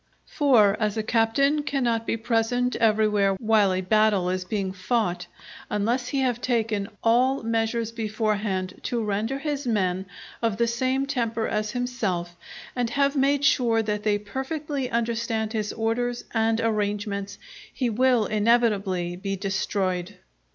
For, as a captain cannot be present everywhere while a battle is being fought, unless he have taken all measures beforehand to render his men of the same temper as himself, and have made sure that they perfectly understand his orders and arrangements, he will inevitably be destroyed.